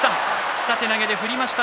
下手投げで振りました。